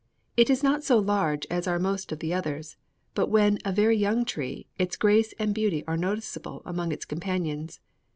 It is not so large as are most of the others; but when a very young tree, its grace and beauty are noticeable among its companions.